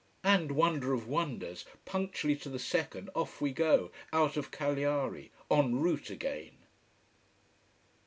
And, wonder of wonders, punctually to the second, off we go, out of Cagliari. En route again.